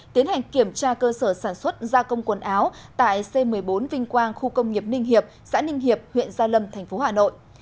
tiến hành kiểm tra cơ sở sản xuất gia công quần áo tại c một mươi bốn vinh quang khu công nghiệp ninh hiệp xã ninh hiệp huyện gia lâm thành phố hà nội